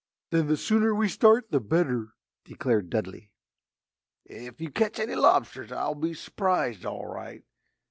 "Then the sooner we start the better!" declared Dudley. "Ef you ketch any lobsters I'll be s'prised, all right.